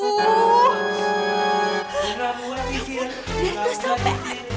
ya ampun dari ke sampean